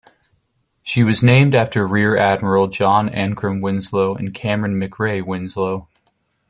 She was named after Rear Admiral John Ancrum Winslow and Cameron McRae Winslow.